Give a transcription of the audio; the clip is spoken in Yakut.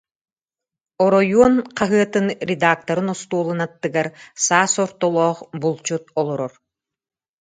Оройуон хаһыатын редакторын остуолун аттыгар саас ортолоох булчут олорор